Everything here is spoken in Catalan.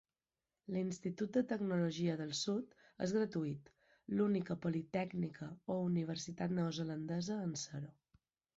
L'Institut de Tecnologia del Sud és gratuït, l'única politècnica o universitat neozelandesa en ser-ho.